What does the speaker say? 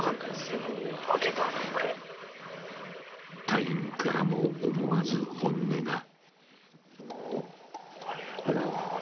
［隊員からも思わず本音が］